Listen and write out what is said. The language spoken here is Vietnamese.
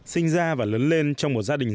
sinh ra và lớn lên trong một gia đình